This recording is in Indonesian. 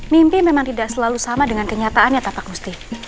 mimpi memang tidak selalu sama dengan kenyataannya tafak musti